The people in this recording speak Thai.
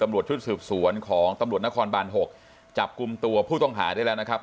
ตำรวจชุดสืบสวนของตำรวจนครบาน๖จับกลุ่มตัวผู้ต้องหาได้แล้วนะครับ